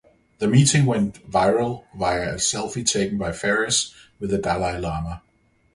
The meeting went viral via a selfie taken by Ferris with the Dalai Lama.